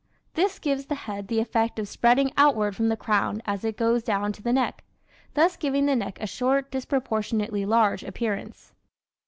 This gives the head the effect of spreading outward from the crown as it goes down to the neck, thus giving the neck a short, disproportionately large appearance.